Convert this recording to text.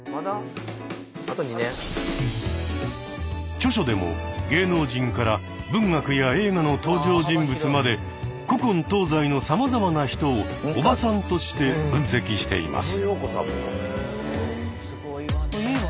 著書でも芸能人から文学や映画の登場人物まで古今東西のさまざまな人を「おばさん」として分析しています。